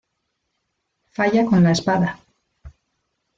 Falla con la espada.